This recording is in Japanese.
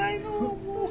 もう。